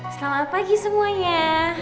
selamat pagi semuanya